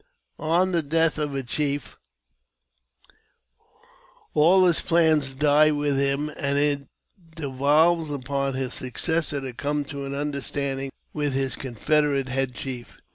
On the death of a chief all his plans die with him, and it devolves upon his successor to come to an understanding with his confederate head chief.